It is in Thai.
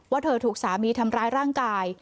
เธอถูกสามีทำร้ายร่างกาย